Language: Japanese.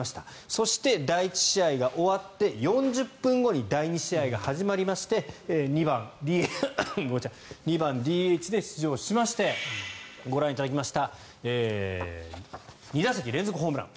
そして第１試合が終わって４０分後に第２試合が始まりまして２番ＤＨで出場しましてご覧いただきました２打席連続ホームラン。